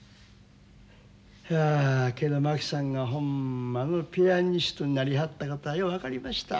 いやけど真紀さんがホンマのピアニストになりはったことはよう分かりました。